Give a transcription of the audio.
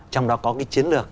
trong đó có cái chiến lược